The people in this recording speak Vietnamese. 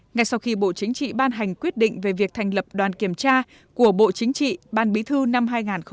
ngay sau khi bộ chính trị ban hành quyết định về việc thành lập đoàn kiểm tra của bộ chính trị ban bí thư năm hai nghìn một mươi tám